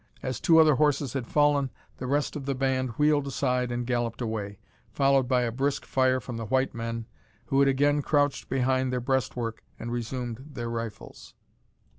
As two other horses had fallen, the rest of the band wheeled aside and galloped away, followed by a brisk fire from the white men, who had again crouched behind their breast work and resumed their rifles.